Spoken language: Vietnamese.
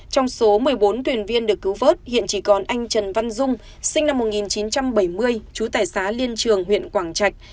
trong số một mươi bốn thuyền viên được cứu vớt hiện chỉ còn anh trần văn dung sinh năm một nghìn chín trăm bảy mươi chú tải xá liên trường huyện quảng trạch